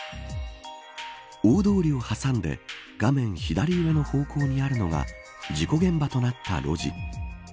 大通りを挟んで画面左上の方向にあるのが事故現場となった路地。